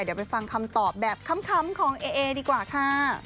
เดี๋ยวไปฟังคำตอบแบบค้ำของเอเอดีกว่าค่ะ